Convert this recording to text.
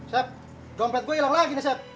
sep dompet gue hilang lagi sep